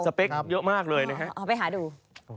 สเปคเยอะมากเลยนะครับ